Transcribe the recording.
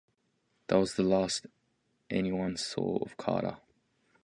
That was the last anyone saw of Carter.